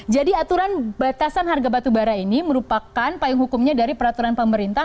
jadi aturan batasan harga batubara ini merupakan paling hukumnya dari peraturan pemerintah